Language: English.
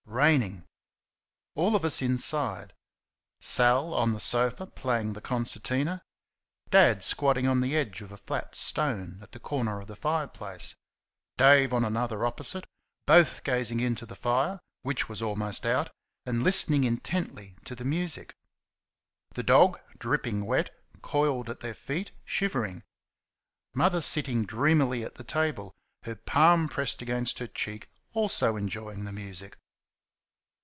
Raining. All of us inside. Sal on the sofa playing the concertina; Dad squatting on the edge of a flat stone at the corner of the fireplace; Dave on another opposite; both gazing into the fire, which was almost out, and listening intently to the music; the dog, dripping wet, coiled at their feet, shivering; Mother sitting dreamily at the table, her palm pressed against her cheek, also enjoying the music.